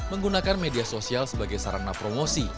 menggunakan media sosial sebagai sarana promosi